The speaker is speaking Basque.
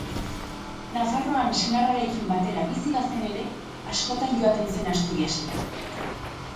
Nafarroan senarrarekin batera bizi bazen ere, askotan joaten zen Asturiasera.